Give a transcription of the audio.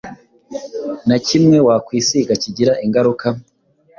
na kimwe wakwisiga kigira ingaruka